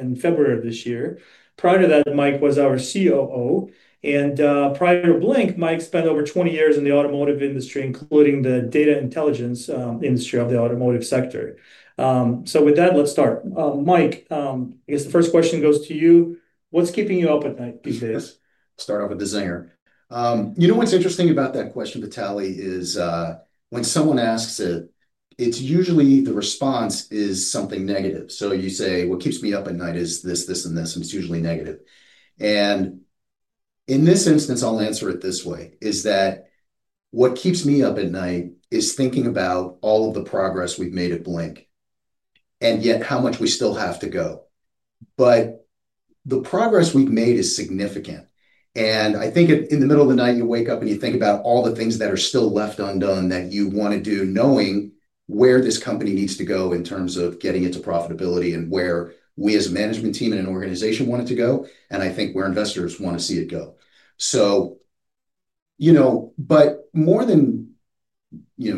In February of this year, Mike was our COO. Prior to Blink, Mike spent over 20 years in the automotive industry, including the data intelligence industry of the automotive sector. With that, let's start. Mike, I guess the first question goes to you. What's keeping you up at night these days? Start off with the zinger. You know what's interesting about that question, Vitalie, is, when someone asks it, usually the response is something negative. You say, what keeps me up at night is this, this, and this, and it's usually negative. In this instance, I'll answer it this way: what keeps me up at night is thinking about all of the progress we've made at Blink and yet how much we still have to go. The progress we've made is significant. I think in the middle of the night, you wake up and you think about all the things that are still left undone that you want to do, knowing where this company needs to go in terms of getting into profitability and where we as a management team and an organization want it to go, and I think where investors want to see it go. More than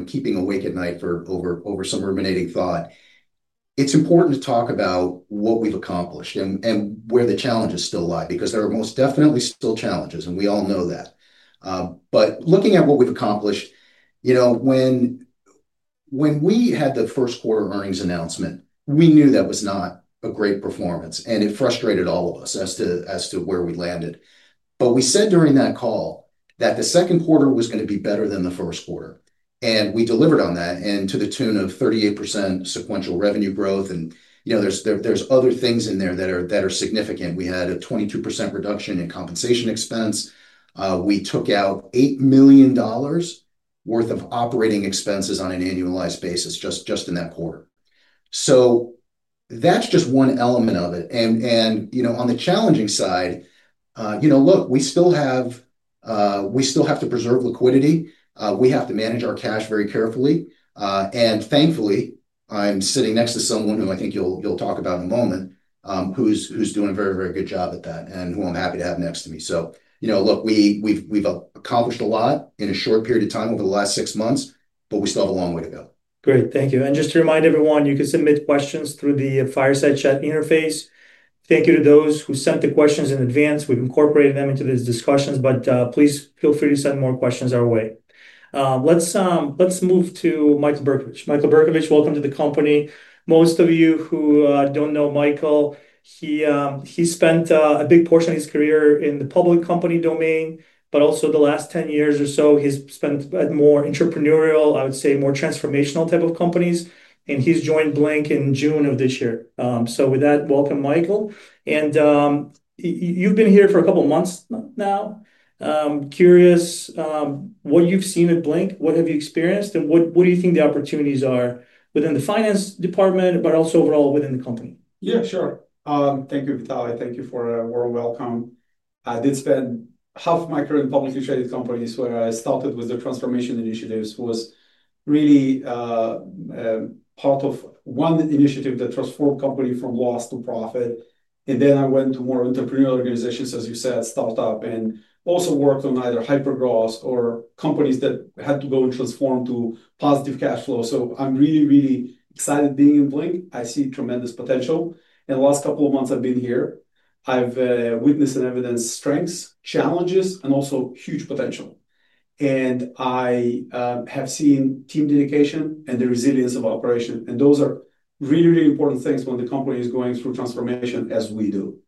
keeping awake at night over some ruminating thought, it's important to talk about what we've accomplished and where the challenges still lie, because there are most definitely still challenges, and we all know that. Looking at what we've accomplished, when we had the first quarter earnings announcement, we knew that was not a great performance, and it frustrated all of us as to where we landed. We said during that call that the second quarter was going to be better than the first quarter, and we delivered on that, to the tune of 38% sequential revenue growth. There are other things in there that are significant. We had a 22% reduction in compensation expense. We took out $8 million worth of operating expenses on an annualized basis, just in that quarter. That's just one element of it. On the challenging side, we still have to preserve liquidity. We have to manage our cash very carefully, and thankfully, I'm sitting next to someone who I think you'll talk about in a moment, who's doing a very, very good job at that and who I'm happy to have next to me. We've accomplished a lot in a short period of time over the last six months, but we still have a long way to go. Great, thank you. Just to remind everyone, you can submit questions through the fireside chat interface. Thank you to those who sent the questions in advance. We've incorporated them into these discussions, but please feel free to send more questions our way. Let's move to Michael Berkovich. Michael Berkovich, welcome to the company. Most of you who don't know Michael, he spent a big portion of his career in the public company domain, but also the last 10 years or so, he's spent at more entrepreneurial, I would say more transformational type of companies, and he's joined Blink in June of this year. With that, welcome, Michael. You've been here for a couple of months now. I'm curious what you've seen at Blink, what have you experienced, and what do you think the opportunities are within the finance department, but also overall within the company? Yeah, sure. Thank you, Vitalie. Thank you for a warm welcome. I did spend half of my career in publicly traded companies, where I started with the transformation initiatives, was really part of one initiative that transformed companies from loss to profit. I went to more entrepreneurial organizations, as you said, startup, and also worked on either hypergrowth or companies that had to go and transform to positive cash flow. I'm really, really excited being in Blink. I see tremendous potential. In the last couple of months I've been here, I've witnessed and evidenced strengths, challenges, and also huge potential. I have seen team dedication and the resilience of operations. Those are really, really important things when the company is going through transformation as we do.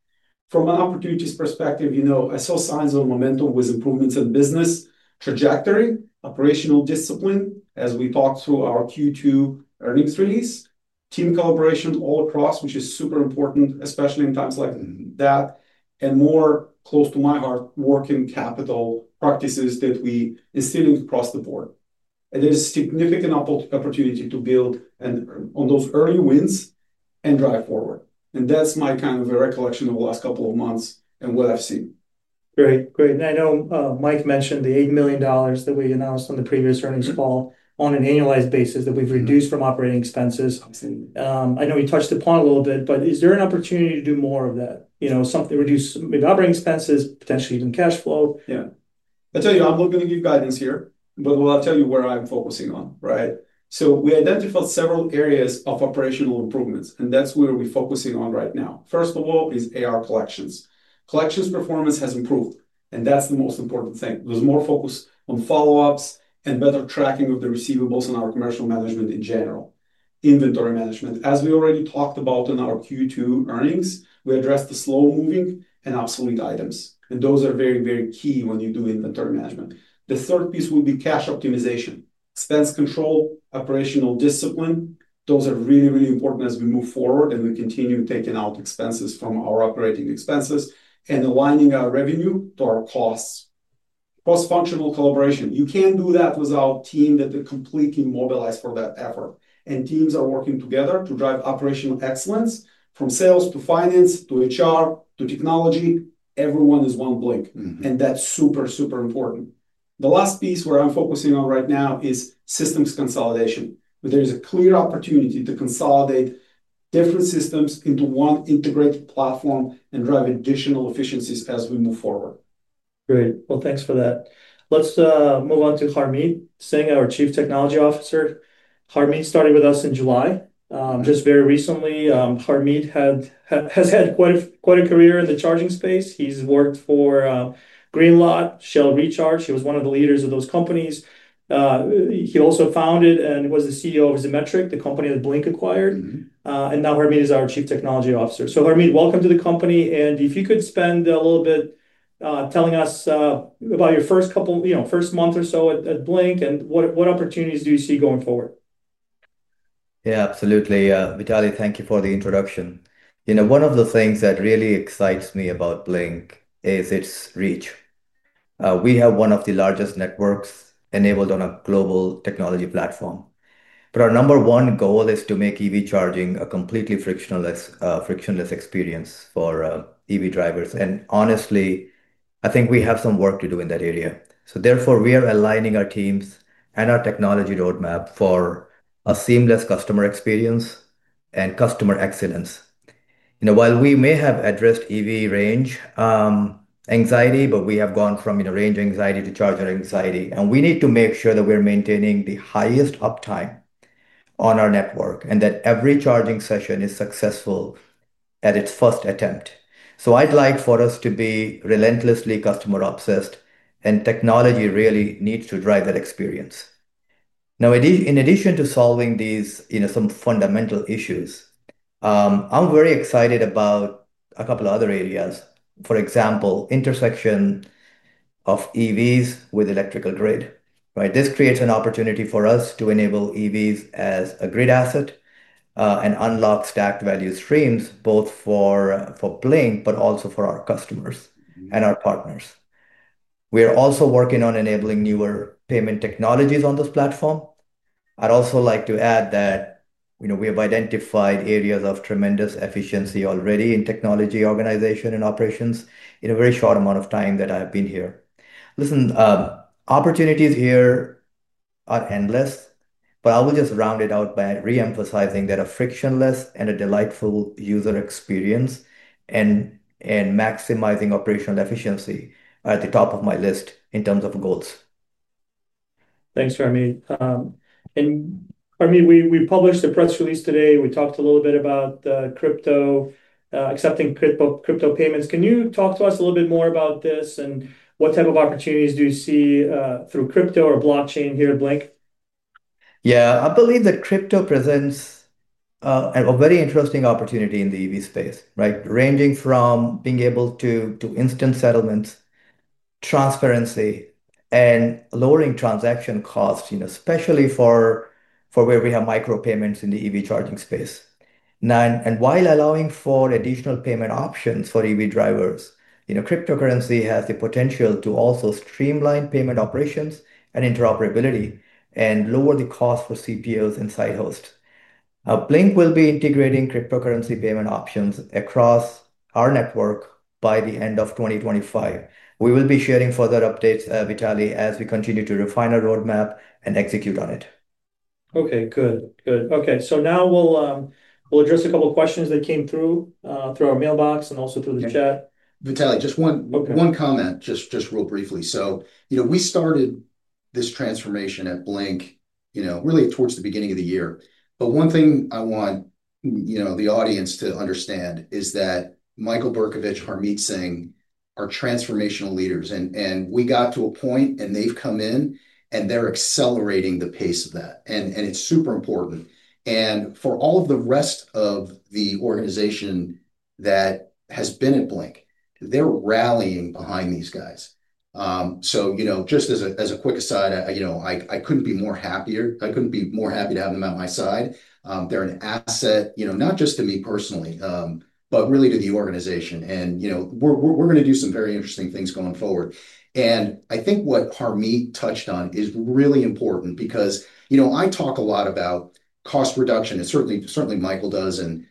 From an opportunities perspective, I saw signs of momentum with improvements in business trajectory, operational discipline, as we talked through our Q2 earnings release, team collaboration all across, which is super important, especially in times like that, and more close to my heart, working capital practices that we instilled across the board. There's a significant opportunity to build on those early wins and drive forward. That's my kind of a recollection of the last couple of months and what I've seen. Great, great. I know Mike mentioned the $8 million that we announced on the previous earnings call on an annualized basis that we've reduced from operating expenses. I know we touched upon it a little bit, but is there an opportunity to do more of that? You know, something to reduce maybe operating expenses, potentially even cash flow? Yeah, I'll tell you, I'm not giving you guidance here, but I'll tell you where I'm focusing on, right? We identified several areas of operational improvements, and that's where we're focusing on right now. First of all is AR collections. Collections performance has improved, and that's the most important thing. There's more focus on follow-ups and better tracking of the receivables in our commercial management in general. Inventory management, as we already talked about in our Q2 earnings, we addressed the slow-moving and obsolete items. Those are very, very key when you do inventory management. The third piece would be cash optimization, expense control, operational discipline. Those are really, really important as we move forward and we continue taking out expenses from our operating expenses and aligning our revenue to our costs. Cross-functional collaboration. You can't do that without a team that is completely mobilized for that effort. Teams are working together to drive operational excellence from sales to finance to HR to technology. Everyone is one Blink. That's super, super important. The last piece where I'm focusing on right now is systems consolidation, where there is a clear opportunity to consolidate different systems into one integrated platform and drive additional efficiencies as we move forward. Great. Thanks for that. Let's move on to Harmeet Singh, our Chief Technology Officer. Harmeet started with us in July. Just very recently, Harmeet has had quite a career in the charging space. He's worked for Greenlots, Shell Recharge. He was one of the leaders of those companies. He also founded and was the CEO of Zemetric, the company that Blink acquired. Now Harmeet is our Chief Technology Officer. Harmeet, welcome to the company. If you could spend a little bit telling us about your first couple, you know, first month or so at Blink and what opportunities do you see going forward? Yeah, absolutely. Vitalie, thank you for the introduction. One of the things that really excites me about Blink is its reach. We have one of the largest networks enabled on a global technology platform. Our number one goal is to make EV charging a completely frictionless experience for EV drivers. Honestly, I think we have some work to do in that area. Therefore, we are aligning our teams and our technology roadmap for a seamless customer experience and customer excellence. While we may have addressed EV range anxiety, we have gone from range anxiety to charger anxiety, and we need to make sure that we're maintaining the highest uptime on our network and that every charging session is successful at its first attempt. I'd like for us to be relentlessly customer-obsessed, and technology really needs to drive that experience. In addition to solving these fundamental issues, I'm very excited about a couple of other areas. For example, intersection of EVs with electrical grid. This creates an opportunity for us to enable EVs as a grid asset and unlock stacked value streams both for Blink, but also for our customers and our partners. We are also working on enabling newer payment technologies on this platform. I'd also like to add that we have identified areas of tremendous efficiency already in technology organization and operations in a very short amount of time that I've been here. Opportunities here are endless, but I will just round it out by reemphasizing that a frictionless and a delightful user experience and maximizing operational efficiency are at the top of my list in terms of goals. Thanks, Harmeet. Harmeet, we've published the press release today. We talked a little bit about crypto, accepting cryptocurrency payments. Can you talk to us a little bit more about this and what type of opportunities do you see through crypto or blockchain here at Blink? Yeah, I believe that crypto presents a very interesting opportunity in the EV space, ranging from being able to do instant settlements, transparency, and lowering transaction costs, especially for where we have micropayments in the EV charging space. While allowing for additional payment options for EV drivers, cryptocurrency has the potential to also streamline payment operations and interoperability and lower the cost for CPLs and site hosts. Blink will be integrating cryptocurrency payment options across our network by the end of 2025. We will be sharing further updates, Vitalie, as we continue to refine our roadmap and execute on it. Okay, good, good. Now we'll address a couple of questions that came through our mailbox and also through the chat. Just one comment, just real briefly. We started this transformation at Blink, really towards the beginning of the year. One thing I want the audience to understand is that Michael Berkovich and Harmeet Singh are transformational leaders. We got to a point and they've come in and they're accelerating the pace of that. It's super important. For all of the rest of the organization that has been at Blink, they're rallying behind these guys. Just as a quick aside, I couldn't be more happy to have them at my side. They're an asset, not just to me personally, but really to the organization. We're going to do some very interesting things going forward. I think what Harmeet touched on is really important because I talk a lot about cost reduction, and certainly Michael does, and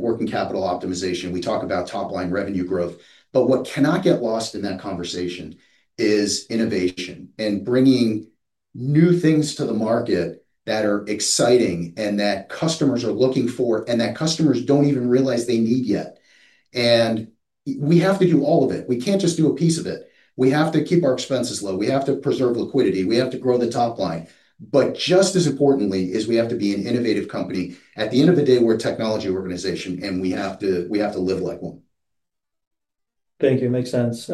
working capital optimization. We talk about top-line revenue growth. What cannot get lost in that conversation is innovation and bringing new things to the market that are exciting and that customers are looking for and that customers don't even realize they need yet. We have to do all of it. We can't just do a piece of it. We have to keep our expenses low. We have to preserve liquidity. We have to grow the top line. Just as importantly, we have to be an innovative company. At the end of the day, we're a technology organization and we have to live like one. Thank you. Makes sense.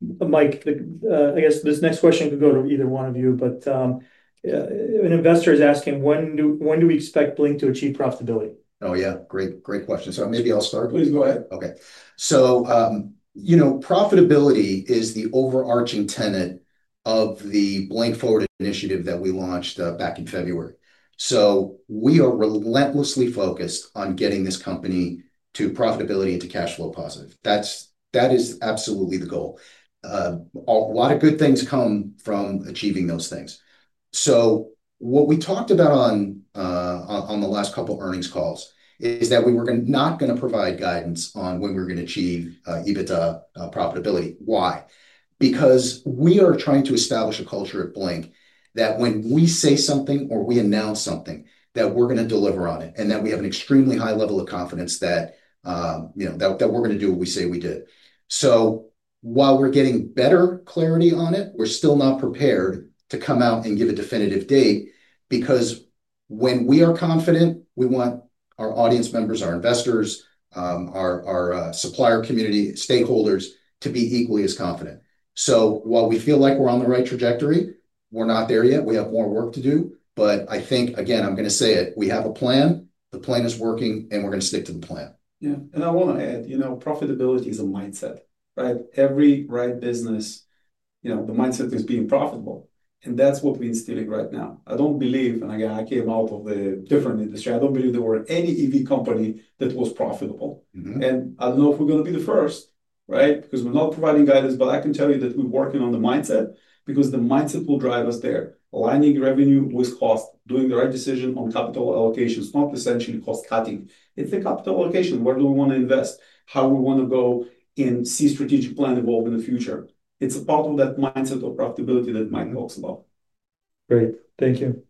Mike, I guess this next question could go to either one of you, but an investor is asking, when do we expect Blink to achieve profitability? Oh yeah, great question. Maybe I'll start. Please go ahead. Okay. Profitability is the overarching tenet of the Blink Forward Initiative that we launched back in February. We are relentlessly focused on getting this company to profitability and to cash flow positive. That is absolutely the goal. A lot of good things come from achieving those things. What we talked about on the last couple of earnings calls is that we were not going to provide guidance on when we were going to achieve EBITDA profitability. Why? We are trying to establish a culture at Blink that when we say something or we announce something, we're going to deliver on it and that we have an extremely high level of confidence that we're going to do what we say we do. While we're getting better clarity on it, we're still not prepared to come out and give a definitive date because when we are confident, we want our audience members, our investors, our supplier community, stakeholders to be equally as confident. While we feel like we're on the right trajectory, we're not there yet. We have more work to do. I think, again, I'm going to say it. We have a plan. The plan is working, and we're going to stick to the plan. Yeah, I want to add, you know, profitability is a mindset, right? Every right business, you know, the mindset is being profitable. That's what we're instilling right now. I don't believe, and again, I came out of a different industry, I don't believe there were any EV company that was profitable. I don't know if we're going to be the first, right? Because we're not providing guidance, but I can tell you that we're working on the mindset because the mindset will drive us there. Aligning revenue with cost, doing the right decision on capital allocations. It's not essentially cost cutting. It's the capital allocation. Where do we want to invest? How do we want to go and see strategic plan evolve in the future? It's a part of that mindset of profitability that Mike talks about. Great, thank you.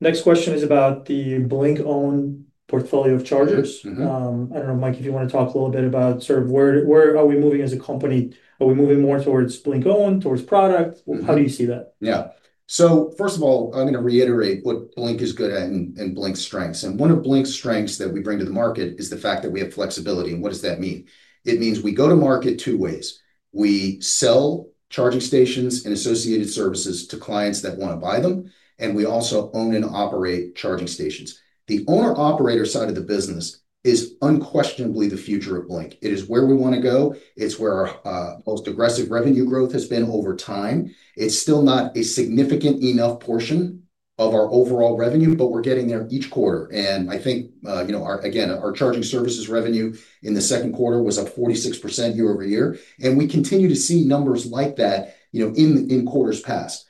Next question is about the Blink owned portfolio of chargers. I don't know, Mike, if you want to talk a little bit about sort of where are we moving as a company. Are we moving more towards Blink owned, towards product? How do you see that? Yeah, first of all, I'm going to reiterate what Blink is good at and Blink's strengths. One of Blink's strengths that we bring to the market is the fact that we have flexibility. What does that mean? It means we go to market two ways. We sell charging stations and associated services to clients that want to buy them, and we also own and operate charging stations. The owner-operator side of the business is unquestionably the future of Blink. It is where we want to go. It's where our most aggressive revenue growth has been over time. It's still not a significant enough portion of our overall revenue, but we're getting there each quarter. I think, you know, again, our charging services revenue in the second quarter was up 46% year- over- year. We continue to see numbers like that, you know, in quarters past.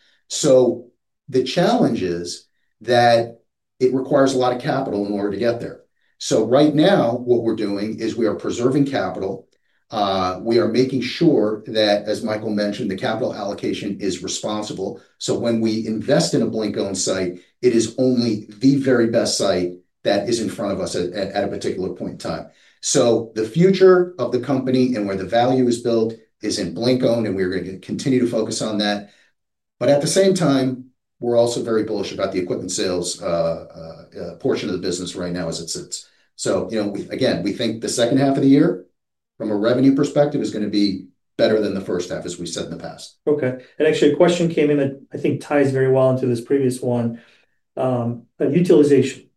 The challenge is that it requires a lot of capital in order to get there. Right now, what we're doing is we are preserving capital. We are making sure that, as Michael mentioned, the capital allocation is responsible. When we invest in a Blink-owned site, it is only the very best site that is in front of us at a particular point in time. The future of the company and where the value is built is in Blink-owned, and we're going to continue to focus on that. At the same time, we're also very bullish about the equipment sales portion of the business right now as it sits. You know, again, we think the second half of the year from a revenue perspective is going to be better than the first half, as we said in the past. Okay. Actually, a question came in that I think ties very well into this previous one. Utilization.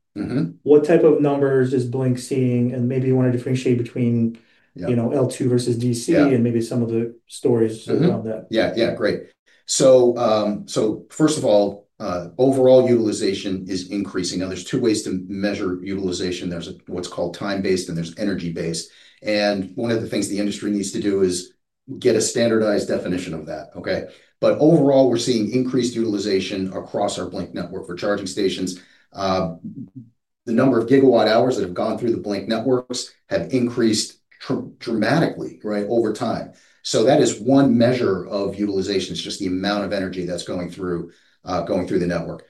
What type of numbers is Blink seeing? Maybe you want to differentiate between, you know, L2 versus DC and maybe some of the stories on that. Yeah, great. First of all, overall utilization is increasing. There are two ways to measure utilization. There's what's called time-based and there's energy-based. One of the things the industry needs to do is get a standardized definition of that. Overall, we're seeing increased utilization across our Blink Network for charging stations. The number of gigawatt hours that have gone through the Blink Network has increased dramatically over time. That is one measure of utilization. It's just the amount of energy that's going through the network.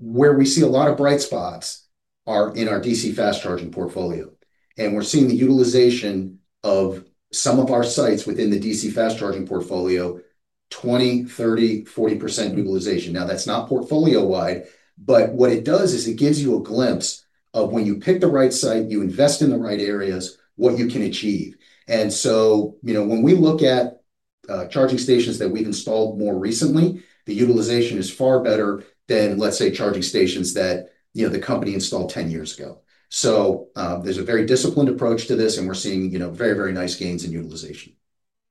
Where we see a lot of bright spots are in our DC fast charging portfolio. We're seeing the utilization of some of our sites within the DC fast charging portfolio at 20%, 30%, 40% utilization. That's not portfolio-wide, but it gives you a glimpse of when you pick the right site, you invest in the right areas, what you can achieve. When we look at charging stations that we've installed more recently, the utilization is far better than, let's say, charging stations that the company installed 10 years ago. There's a very disciplined approach to this, and we're seeing very nice gains in utilization.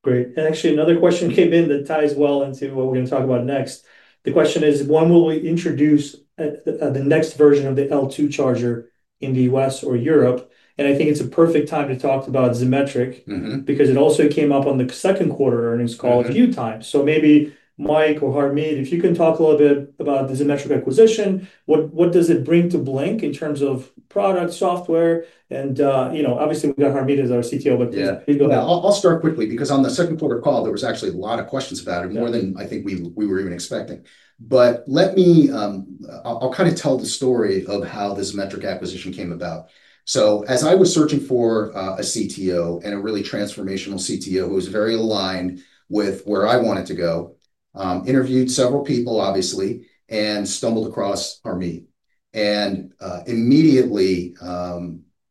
Great. Actually, another question came in that ties well into what we're going to talk about next. The question is, when will we introduce the next version of the L2 charger in the U.S. or Europe? I think it's a perfect time to talk about Zemetric because it also came up on the second quarter earnings call a few times. Maybe Mike or Harmeet, if you can talk a little bit about the Zemetric acquisition, what does it bring to Blink in terms of product, software, and, you know, obviously we've got Harmeet as our CTO, but you can go ahead. Yeah, I'll start quickly because on the second quarter call, there was actually a lot of questions about it, more than I think we were even expecting. Let me, I'll kind of tell the story of how this Zemetric acquisition came about. As I was searching for a CTO and a really transformational CTO, it was very aligned with where I wanted to go. I interviewed several people, obviously, and stumbled across Harmeet. Immediately,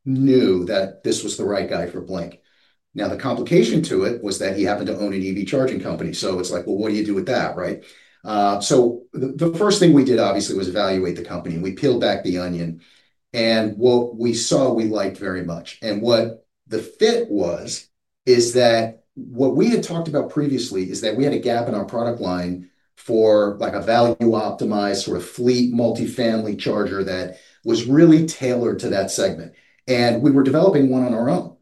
knew that this was the right guy for Blink. The complication to it was that he happened to own an EV charging company. It's like, what do you do with that, right? The first thing we did, obviously, was evaluate the company. We peeled back the onion. What we saw we liked very much. The fit was that what we had talked about previously is that we had a gap in our product line for a value-optimized sort of fleet multifamily charger that was really tailored to that segment. We were developing one on our own.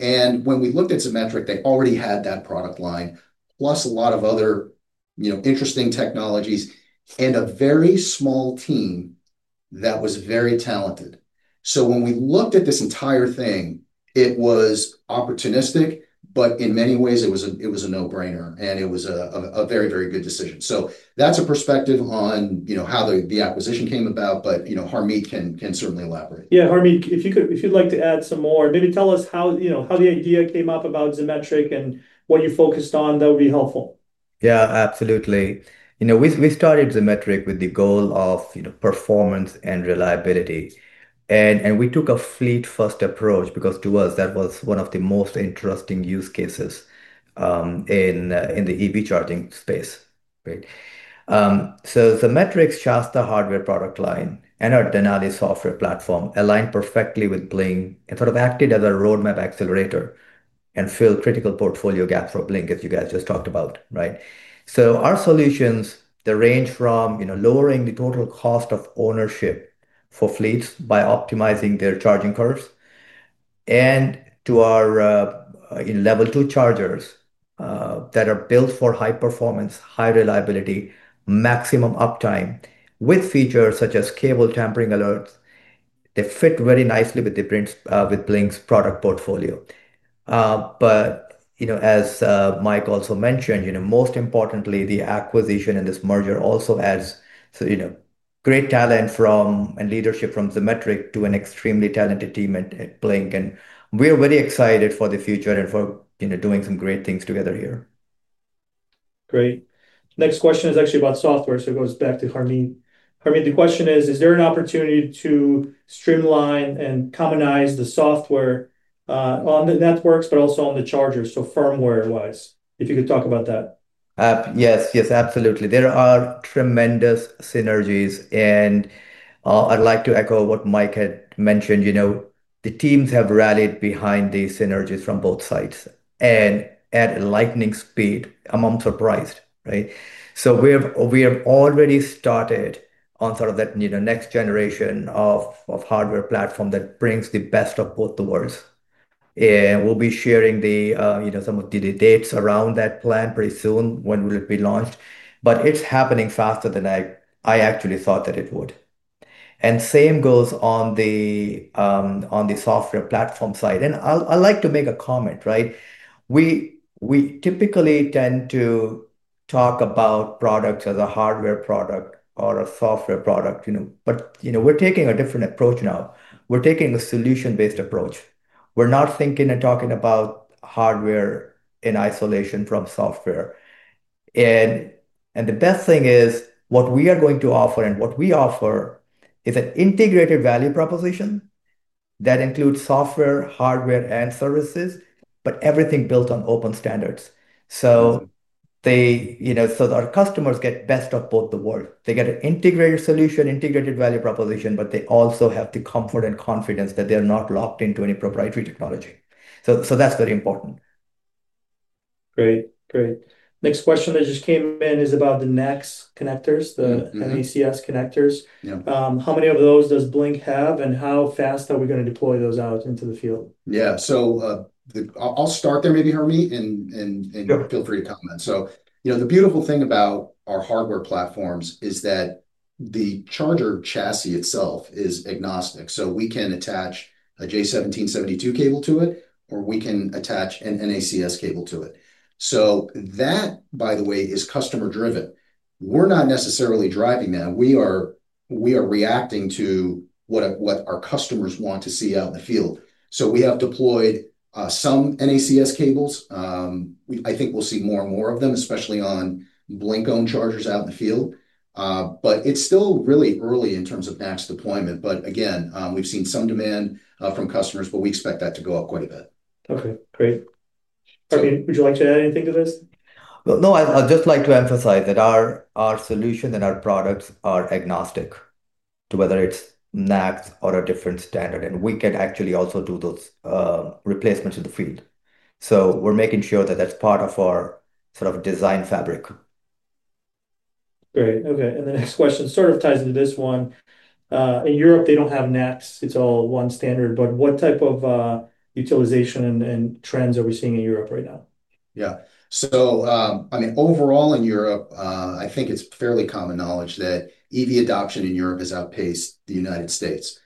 When we looked at Zemetric, they already had that product line, plus a lot of other interesting technologies and a very small team that was very talented. When we looked at this entire thing, it was opportunistic, but in many ways, it was a no-brainer. It was a very, very good decision. That's a perspective on how the acquisition came about, but Harmeet can certainly elaborate. Yeah, Harmeet, if you could, if you'd like to add some more, maybe tell us how, you know, how the idea came up about Zemetric and what you focused on, that would be helpful. Yeah, absolutely. We started Zemetric with the goal of performance and reliability. We took a fleet-first approach because to us, that was one of the most interesting use cases in the EV charging space. Zemetric's charge, the hardware product line, and our Denali software platform aligned perfectly with Blink and sort of acted as a roadmap accelerator and filled critical portfolio gaps for Blink, as you guys just talked about. Our solutions range from lowering the total cost of ownership for fleets by optimizing their charging curves to our level two chargers that are built for high performance, high reliability, and maximum uptime with features such as cable tampering alerts. They fit very nicely with Blink's product portfolio. As Mike also mentioned, most importantly, the acquisition and this merger also add great talent and leadership from Zemetric to an extremely talented team at Blink. We are very excited for the future and for doing some great things together here. Great. Next question is actually about software. It goes back to Harmeet. Harmeet, the question is, is there an opportunity to streamline and commonize the software on the networks, but also on the chargers? Firmware-wise, if you could talk about that. Yes, yes, absolutely. There are tremendous synergies. I'd like to echo what Mike had mentioned. You know, the teams have rallied behind these synergies from both sides at a lightning speed. I'm surprised, right? We have already started on sort of that next generation of hardware platform that brings the best of both worlds. We'll be sharing some of the dates around that plan pretty soon, when it will be launched. It's happening faster than I actually thought that it would. The same goes on the software platform side. I'd like to make a comment, right? We typically tend to talk about products as a hardware product or a software product, you know, but we're taking a different approach now. We're taking a solution-based approach. We're not thinking and talking about hardware in isolation from software. The best thing is what we are going to offer and what we offer is an integrated value proposition that includes software, hardware, and services, with everything built on open standards. Our customers get best of both the world. They get an integrated solution, integrated value proposition, but they also have the comfort and confidence that they're not locked into any proprietary technology. That's very important. Great, great. Next question that just came in is about the NACS connectors. How many of those does Blink have and how fast are we going to deploy those out into the field? Yeah, I'll start there, maybe Harmeet, and feel free to comment. The beautiful thing about our hardware platforms is that the charger chassis itself is agnostic. We can attach a J1772 cable to it, or we can attach an NACS cable to it. That, by the way, is customer-driven. We're not necessarily driving that. We are reacting to what our customers want to see out in the field. We have deployed some NACS cables. I think we'll see more and more of them, especially on Blink-owned chargers out in the field. It's still really early in terms of batch deployment. We've seen some demand from customers, but we expect that to go up quite a bit. Okay, great. Harmeet, would you like to add anything to this? I'd just like to emphasize that our solution and our products are agnostic to whether it's NACS or a different standard. We can actually also do those replacements in the field. We're making sure that that's part of our sort of design fabric. Great. Okay. The next question sort of ties into this one. In Europe, they don't have NACS. It's all one standard. What type of utilization and trends are we seeing in Europe right now? Yeah, so, I mean, overall in Europe, I think it's fairly common knowledge that EV adoption in Europe has outpaced the United States.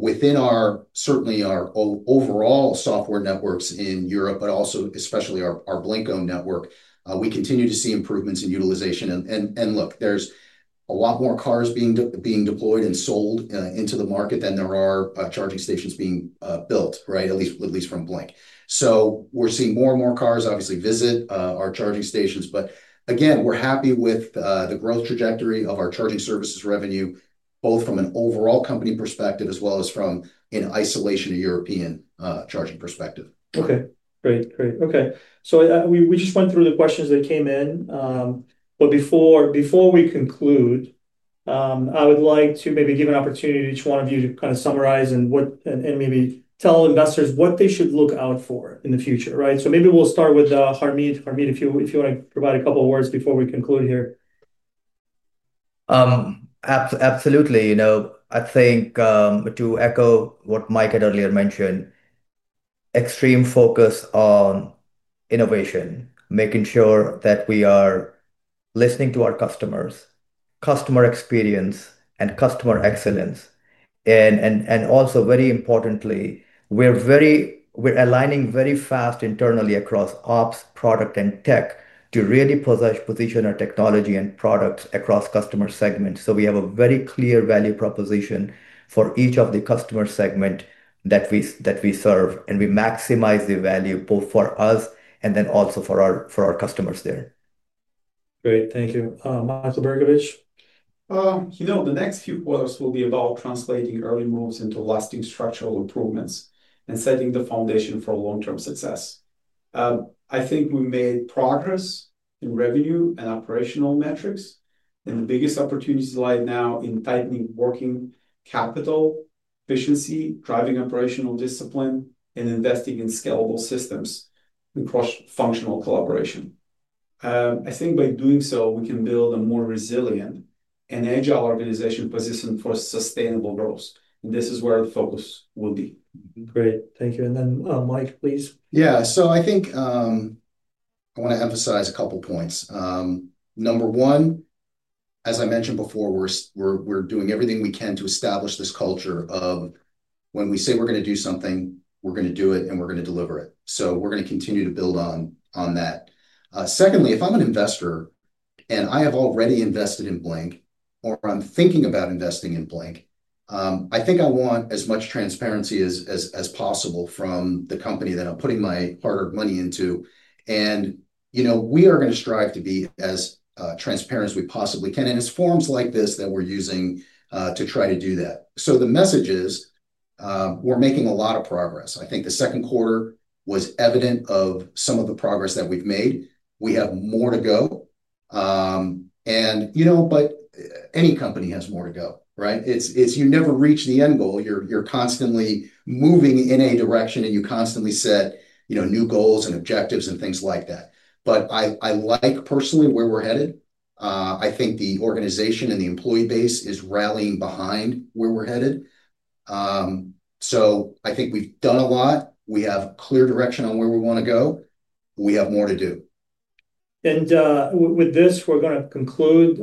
Within our, certainly our overall software networks in Europe, but also especially our Blink-owned network, we continue to see improvements in utilization. There's a lot more cars being deployed and sold into the market than there are charging stations being built, right? At least from Blink. We're seeing more and more cars obviously visit our charging stations. We're happy with the growth trajectory of our charging services revenue, both from an overall company perspective, as well as from an isolation to European charging perspective. Okay, great, great. We just went through the questions that came in. Before we conclude, I would like to maybe give an opportunity to each one of you to kind of summarize and maybe tell investors what they should look out for in the future, right? Maybe we'll start with Harmeet. Harmeet, if you want to provide a couple of words before we conclude here. Absolutely. I think to echo what Mike had earlier mentioned, extreme focus on innovation, making sure that we are listening to our customers, customer experience, and customer excellence. Also, very importantly, we're aligning very fast internally across ops, product, and tech to really position our technology and products across customer segments. We have a very clear value proposition for each of the customer segments that we serve, and we maximize the value both for us and for our customers there. Great. Thank you, Michael Berkovich. You know, the next few quarters will be about translating early moves into lasting structural improvements and setting the foundation for long-term success. I think we made progress in revenue and operational metrics, and the biggest opportunities lie now in tightening working capital, efficiency, driving operational discipline, and investing in scalable systems and cross-functional collaboration. I think by doing so, we can build a more resilient and agile organization positioned for sustainable growth. This is where our focus will be. Great. Thank you. Mike, please. Yeah, so I think I want to emphasize a couple of points. Number one, as I mentioned before, we're doing everything we can to establish this culture of when we say we're going to do something, we're going to do it, and we're going to deliver it. We're going to continue to build on that. Secondly, if I'm an investor and I have already invested in Blink, or I'm thinking about investing in Blink , I think I want as much transparency as possible from the company that I'm putting my hard-earned money into. You know, we are going to strive to be as transparent as we possibly can. It's forms like this that we're using to try to do that. The message is we're making a lot of progress. I think the second quarter was evident of some of the progress that we've made. We have more to go. Any company has more to go, right? You never reach the end goal. You're constantly moving in a direction, and you constantly set new goals and objectives and things like that. I like personally where we're headed. I think the organization and the employee base is rallying behind where we're headed. I think we've done a lot. We have clear direction on where we want to go. We have more to do. With this, we're going to conclude.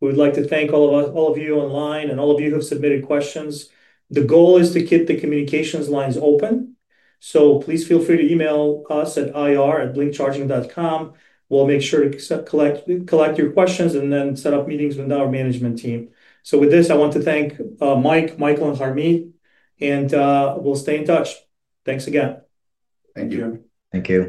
We'd like to thank all of you online and all of you who have submitted questions. The goal is to keep the communications lines open. Please feel free to email us at IR@BlinkCharging.com. We'll make sure to collect your questions and then set up meetings with our management team. With this, I want to thank Mike, Michael, and Harmeet. We'll stay in touch. Thanks again. Thank you. Thank you.